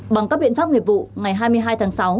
bằng các biện pháp nghiệp vụ ngày hai mươi hai tháng sáu